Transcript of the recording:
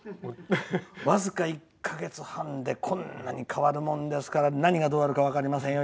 わずか１か月半でこんなに変わるものですから何がどうなるか分かりませんよ。